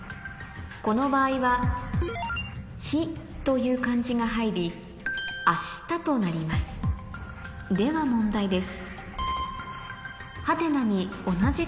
この場合は「日」という漢字が入りとなりますでは問題です